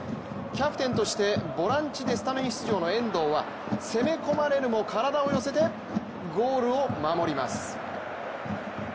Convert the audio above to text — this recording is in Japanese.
キャプテンとしてボランチでスタメン出場の遠藤は攻め込まれるも体を寄せてゴールを守ります。